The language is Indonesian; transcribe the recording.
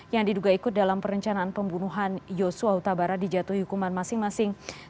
yang diduga ikut dalam perencanaan pembunuhan yosua huta barat dijatuhi hukuman masing masing